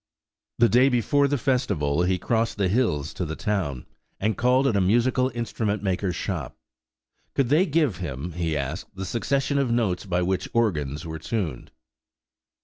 The day before the festival he crossed the hills to the town, and called at a musical instrument maker's shop. Could they give him, he asked, the succession of notes by which organs were tuned?